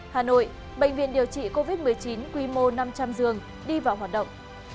hà nội bệnh viện điều trị covid một mươi chín quy mô năm trăm linh giường đi vào hoạt động